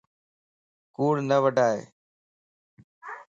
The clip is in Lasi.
ڪوڙ نه وڊائي